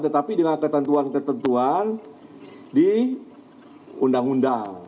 tetapi dengan ketentuan ketentuan di undang undang